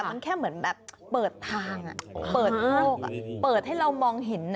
มันแค่เหมือนแบบเปิดทางเปิดโลกเปิดให้เรามองเห็น